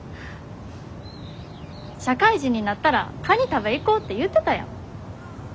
社会人になったらカニ食べ行こうって言ってたやん。